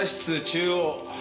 中央。